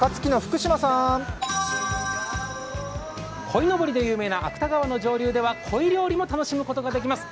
こいのぼりで有名な芥川の上流ではこい料理も楽しむことができます。